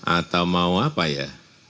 atau mau apa ya